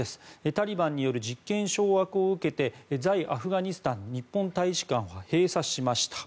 タリバンによる実権掌握を受けて在アフガニスタン大使館は閉鎖しました。